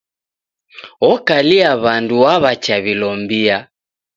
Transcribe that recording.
Okalia w'andu waw'achaw'ilombia.